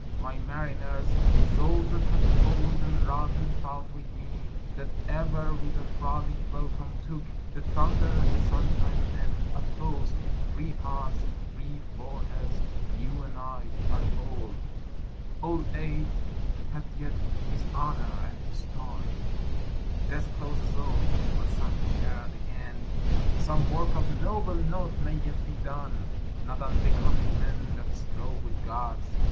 My mariners, Souls that have toil'd, and wrought, and thought with me That ever with a frolic welcome took The thunder and the sunshine, and opposed Free hearts, free foreheads you and I are old; Old age hath yet his honour and his toil; Death closes all: but something ere the end, Some work of noble note, may yet be done, Not unbecoming men that strove with Gods.